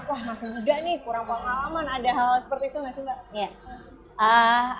wah masih muda nih kurang pengalaman ada hal seperti itu nggak sih mbak